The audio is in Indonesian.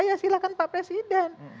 ya silahkan pak presiden